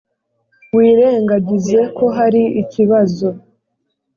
wirengagize ko hari ikibazo